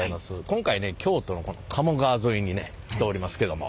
今回ね京都のこの鴨川沿いにね来ておりますけども。